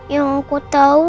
yang aku tau